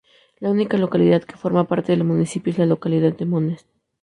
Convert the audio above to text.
La única localidad que forma parte del municipio es la localidad de Montes.